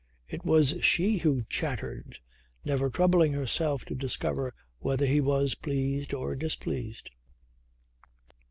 It was she who chattered, never troubling herself to discover whether he was pleased or displeased.